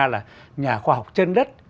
là nhà khoa học chân đất